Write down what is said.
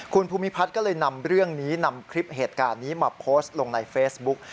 คุณภูมิพัฒน์ก็เลยนำเรื่องนี้นำคลิปเหตุการณ์นี้มาโพสต์ลงในเฟซบุ๊ก